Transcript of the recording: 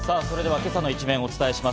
今朝の一面をお伝えします。